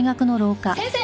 先生！